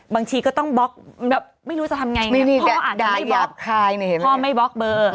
บางทีก็ต้องบล็อกไม่รู้จะทำยังไงพ่ออาจไม่บล็อกเบอร์